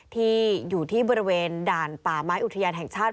ที่อยู่ที่บริเวณด่านป่าไม้อุทยานแห่งชาติ